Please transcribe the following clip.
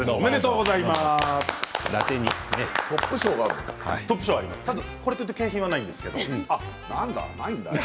これといって景品はないんですけど。